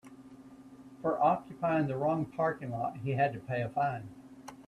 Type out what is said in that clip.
For occupying the wrong parking lot he had to pay a fine.